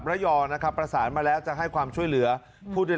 เป็น๔๐๐๐บาทแล้วครับตอนนี้